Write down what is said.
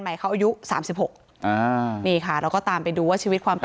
ทั้งครูก็มีค่าแรงรวมกันเดือนละประมาณ๗๐๐๐กว่าบาท